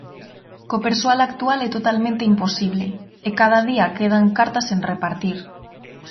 Co persoal actual é totalmente imposible e cada día quedan cartas sen repartir.